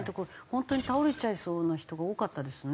本当に倒れちゃいそうな人が多かったですね。